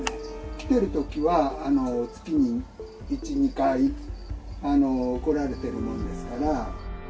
来てるときは、月に１、２回来られてるもんですから。